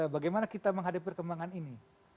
bagaimana kita menghadapi perkembangan ini